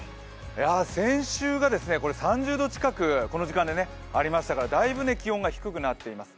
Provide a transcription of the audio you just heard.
先週が３０度近く、この時間でありましたからだいぶ気温が低くなっています。